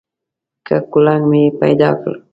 که کولنګ مې پیدا کړ.